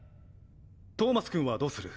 トーマス君はどうする？